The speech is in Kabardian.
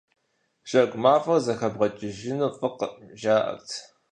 Жьэгу мафӀэр зэхэбгъэкӀыжыну фӀыкъым, жаӀэрт.